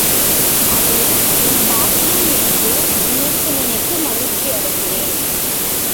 அது என் பாக்கியம் என்று நினைந்து நினைந்து மகிழ்ச்சியடைகிறேன்.